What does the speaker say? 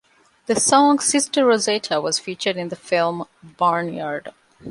The song "Sister Rosetta" was featured in the film "Barnyard".